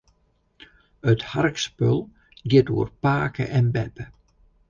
It harkspul giet oer pake en beppe.